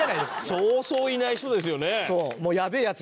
そうそういない人ですよね。